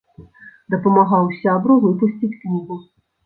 Дапамагаў сябру выпусціць кнігу.